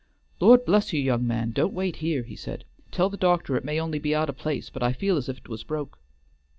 "Lord bless you, young man! don't wait here," he said; "tell the doctor it may only be out o' place, but I feel as if 'twas broke."